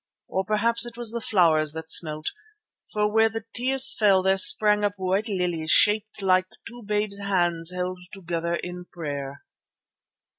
Or perhaps it was the flowers that smelt, for where the tears fell there sprang up white lilies shaped like two babes' hands held together in prayer."